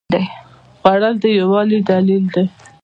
خوړل د یووالي دلیل دی